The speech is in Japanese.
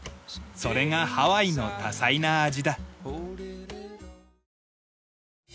それがハワイの多彩な味だ。